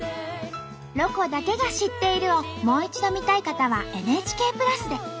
「ロコだけが知っている」をもう一度見たい方はＮＨＫプラスで。